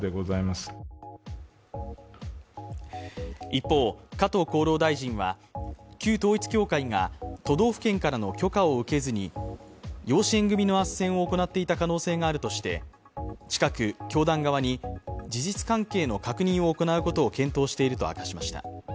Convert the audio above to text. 一方、加藤厚労大臣は旧統一教会が都道府県からの許可を受けずに養子縁組のあっせんを行っていた可能性があるとして近く、教団側に事実関係の確認を行うことを検討していると明かしました。